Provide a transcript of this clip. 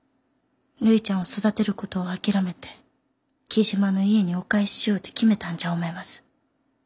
るいちゃんを育てることを諦めて雉真の家にお返ししようて決めたんじゃ思います。